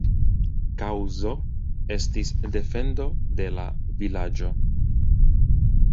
Kaŭzo estis defendo de la vilaĝo.